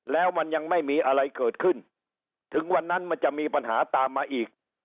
แล้วมันยังไม่มีอะไรเกิดขึ้นถึงวันนั้นมันจะมีปัญหาตามมาอีก